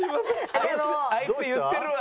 「あいつ言ってるわ」